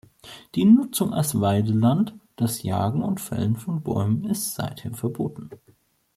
Die Nutzung als Weideland, das Jagen und Fällen von Bäumen ist seither verboten.